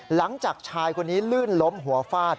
หลังจากชายคนนี้ลื่นล้มหัวฟาด